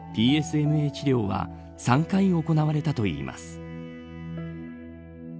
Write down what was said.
治療は３回行われたといいます。